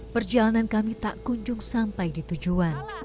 perjalanan kami tak kunjung sampai di tujuan